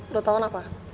lo tau kenapa